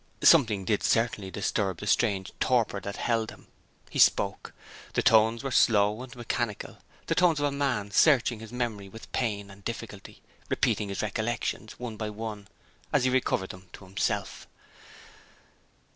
Something did certainly disturb the strange torpor that held him. He spoke. The tones were slow and mechanical the tones of a man searching his memory with pain and difficulty; repeating his recollections, one by one, as he recovered them, to himself.